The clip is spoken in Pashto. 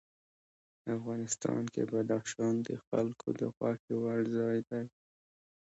افغانستان کې بدخشان د خلکو د خوښې وړ ځای دی.